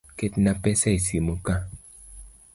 Ketna pesa e simu ka.